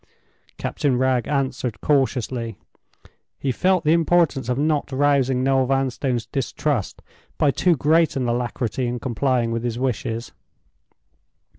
Captain Wragge answered cautiously: he felt the importance of not rousing Noel Vanstone's distrust by too great an alacrity in complying with his wishes.